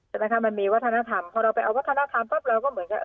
ใช่ไหมคะมันมีวัฒนธรรมพอเราไปเอาวัฒนธรรมปั๊บเราก็เหมือนกับ